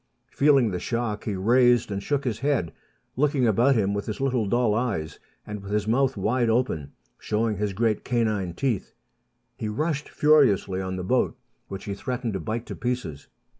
Feeling the shock, he raised and shook his head, looking about him with his little dull eyes, and with his mouth wide open, showing his great canine teeth. He rushed furiously on the boat, which he threatened to bite to pieces.